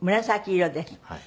紫色です。